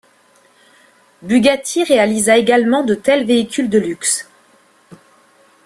Bugatti réalisa également de tels véhicules de luxe.